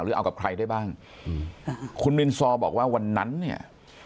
เอากับใครได้บ้างอืมคุณมินซอบอกว่าวันนั้นเนี่ย